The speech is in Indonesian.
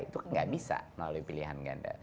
itu nggak bisa melalui pilihan ganda